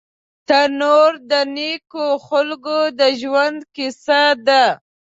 تنور د نیکو خلکو د ژوند کیسه ده